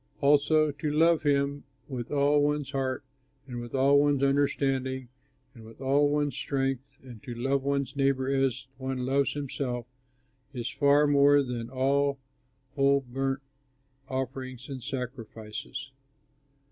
Also to love him, with all one's heart, and with all one's understanding, and with all one's strength, and to love one's neighbor as one loves himself is far more than all whole burnt offerings and sacrifices.'"